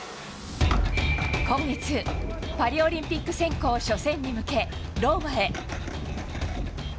今月、パリオリンピック選考初戦に向け、ローマへ。